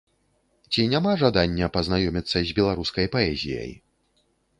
Ці няма жадання пазнаёміцца з беларускай паэзіяй?